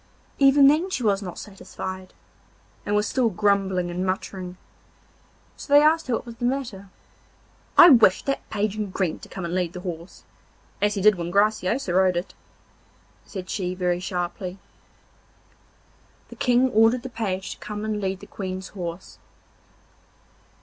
Even then she was not satisfied, and was still grumbling and muttering, so they asked her what was the matter. 'I wish that Page in green to come and lead the horse, as he did when Graciosa rode it,' said she very sharply. And the King ordered the Page to come and lead the Queen's horse.